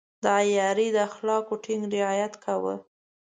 د عیارۍ د اخلاقو ټینګ رعایت يې کاوه.